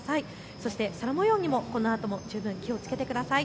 そして空もようにもこのあとも十分気をつけてください。